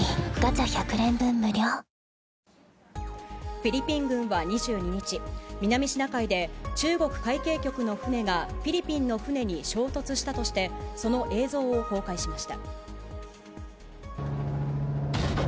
フィリピン軍は２２日、南シナ海で中国海警局の船がフィリピンの船に衝突したとして、その映像を公開しました。